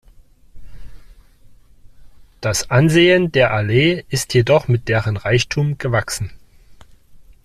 Das Ansehen der Allee ist jedoch mit deren Reichtum gewachsen.